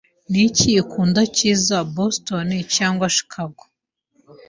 Niki ukunda cyiza, Boston cyangwa Chicago?